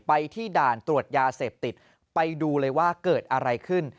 ที่ด่านตรวจยาเสพติดไปดูเลยว่าเกิดอะไรขึ้น